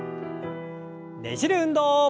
ねじる運動。